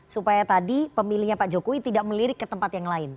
supaya tadi pemilihnya pak jokowi tidak melirik ke tempat yang lain